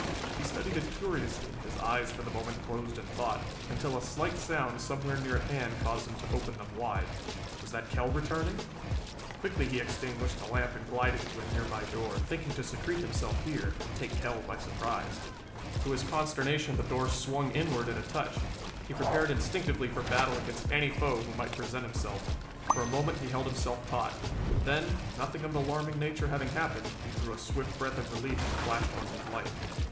He studied it curiously, his eyes for the moment closed in thought, until a slight sound somewhere near at hand caused him to open them wide. Was the Kell returning? Quickly he extinguished the lamp and glided to a nearby door, thinking to secrete himself here, and take Kell by surprise. To his consternation the door swung inward at a touch. He prepared instinctively for battle against any foe who might present himself. For a moment he held himself taut; then, nothing of an alarming nature having happened, he drew a swift breath of relief and flashed on his light.